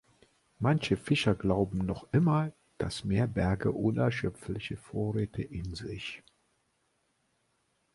Manche Fischer glauben noch immer, das Meer berge unerschöpfliche Vorräte in sich.